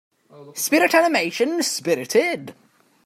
Spirit animation Spirited.